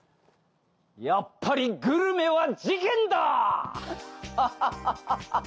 やっぱりグルメは事件だ！